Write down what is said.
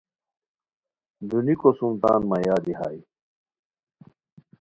دونیکو سُم تان مہ یادی ہائے